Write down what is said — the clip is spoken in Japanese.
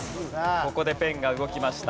ここでペンが動きました。